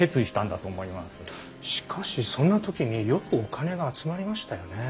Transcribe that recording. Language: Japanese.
しかしそんな時によくお金が集まりましたよね。